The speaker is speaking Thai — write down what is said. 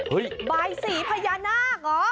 เฮ้ยบายสีพญานาคเหรอ